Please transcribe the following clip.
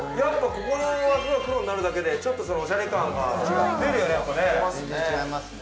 ここの枠が黒になるだけでおしゃれ感が出るよね。